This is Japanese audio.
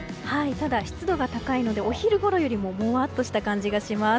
ただ、湿度が高いのでお昼ごろよりももわっとした感じがします。